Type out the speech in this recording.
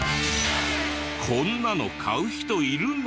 「こんなの買う人いるの！？」